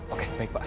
oke baik pak